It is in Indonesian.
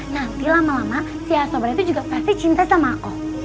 nanti lama lama si asobah itu juga pasti cinta sama aku